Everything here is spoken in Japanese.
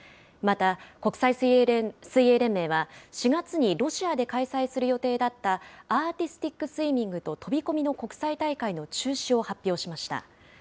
また国際水泳連盟は４月にロシアで開催する予定だったアーティスティックスイミングと飛び込みの国際大会の中止を発表しました。